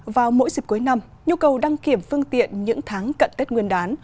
vào mỗi dịp cuối năm nhu cầu đăng kiểm phương tiện những tháng cận tết nguyên đán